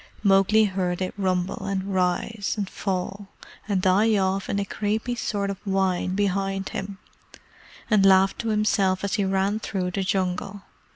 Mowgli heard it rumble, and rise, and fall, and die off in a creepy sort of whine behind him, and laughed to himself as he ran through the Jungle.